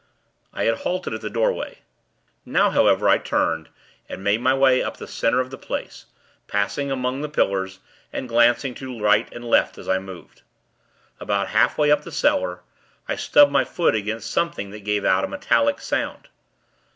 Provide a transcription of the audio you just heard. I had halted at the doorway. Now, however, I turned, and made my way up the center of the place; passing among the pillars, and glancing to right and left, as I moved. About halfway up the cellar, I stubbed my foot against something that gave out a metallic sound.